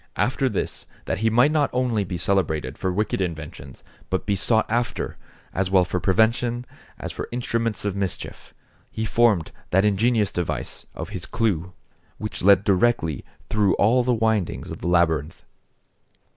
After this, that he might not only be celebrated for wicked inventions, but be sought after, as well for prevention, as for instruments of mischief, he formed that ingenious device of his clue, which led directly through all the windings of the labyrinth.